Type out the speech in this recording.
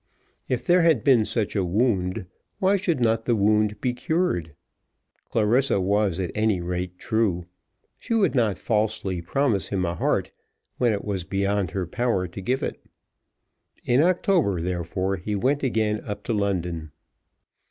If there had been such a wound, why should not the wound be cured? Clarissa was at any rate true. She would not falsely promise him a heart, when it was beyond her power to give it. In October, therefore, he went again up to London.